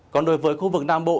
còn đối với khu vực nam bộ